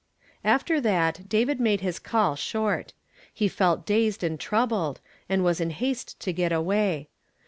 After that David made bis call short. He felt dazed and troubled, and was in haste to get away.